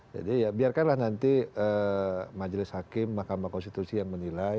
jadi ya biarkanlah nanti majelis hakim mahkamah konstitusi yang menilai